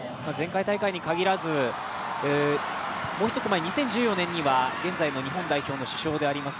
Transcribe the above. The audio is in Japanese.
前回大会に限らず、２０１４年には現在の日本代表の主将であります